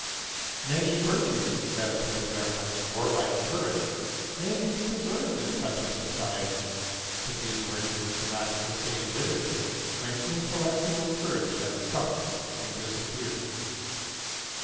Many virtues as for example warlike courage may be preserved in such a society, but these virtues cannot sustain literature when intellectual courage has sunk and disappeared.